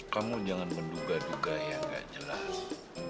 kamu jangan menduga duga yang gak jelas